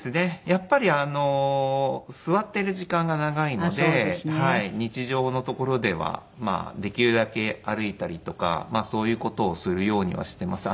やっぱり座っている時間が長いので日常のところではまあできるだけ歩いたりとかまあそういう事をするようにはしています。